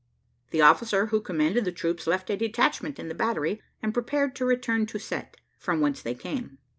The officer who commanded the troops left a detachment in the battery, and prepared to return to Cette, from whence they came.